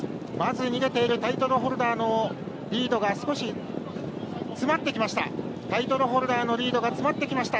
逃げているタイトルホルダーのリードが少し詰まってきました。